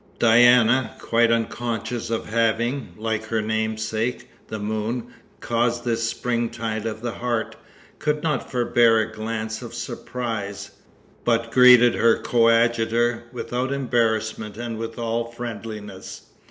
Diana, quite unconscious of having, like her namesake, the moon, caused this springtide of the heart, could not forbear a glance of surprise, but greeted her coadjutor without embarrassment and with all friendliness.